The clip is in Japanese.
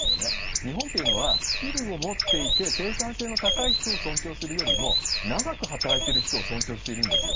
日本っていうのは、スキルを持っていて、生産性の高い人を尊重するよりも、長く働いてる人を尊重しているんですよ。